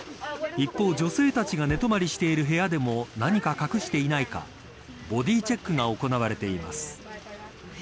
一方、女性たちが寝泊りしている部屋でも何か隠していないかボディチェックが行われています。